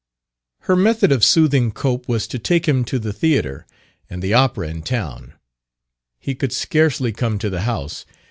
Her method of soothing Cope was to take him to the theatre and the opera in town: he could scarcely come to the house.